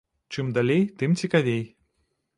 Чым далей, тым цікавей.